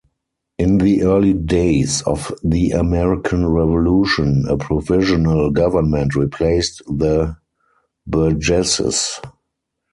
In the early days of the American Revolution, a provisional government replaced the Burgesses.